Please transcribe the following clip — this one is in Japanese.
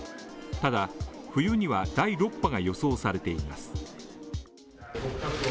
ただ、冬には第６波が予想されています。